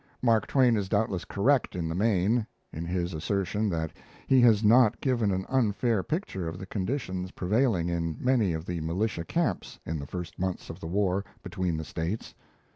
Mark Twain is doubtless correct in the main, in his assertion that he has not given an unfair picture of the conditions prevailing in many of the militia camps in the first months of the war between the states.